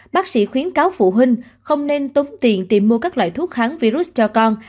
bác sĩ khuyến cáo phụ huynh không nên tống tiền tìm mua các loại thuốc kháng virus cho con